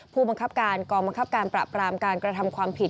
ผู้บังคับการกองบังคับการปราบรามการกระทำความผิด